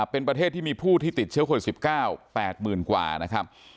เป็นประเทศที่มีผู้ที่ติดเชื้อโควิด๑๙๘๐๐๐กว่านะครับ